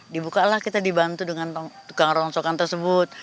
dibukalah kita dibantu dengan tukang rongsokan tersebut